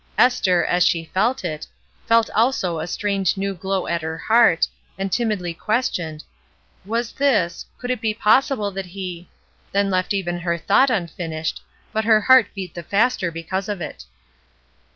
Esther, as she felt it, felt also a strange new glow at her heart, and timidly questioned, ''Was this — could it be possible that he —'' She left even her thought unfinished, but her heart beat the faster because of it.